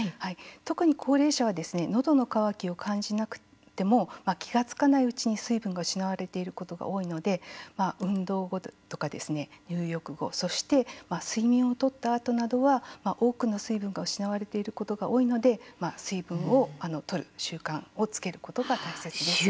特に高齢者はのどの渇きを感じなくても気がつかないうちに水分が失われていることが多いので運動後とか入浴後そして睡眠をとったあとなどは多くの水分が失われていることが多いので水分をとる習慣をつけることが大切です。